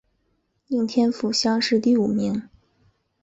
应天府乡试第五名。